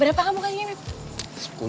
berapa kamu kasih ini beb